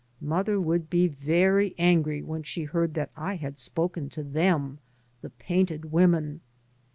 " Mother would he very angry when she heard that I had spoken to them, the painted women.